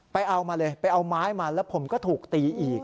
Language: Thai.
เอามาเลยไปเอาไม้มาแล้วผมก็ถูกตีอีก